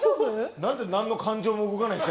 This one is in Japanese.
何でなんの感情も動かないんですか。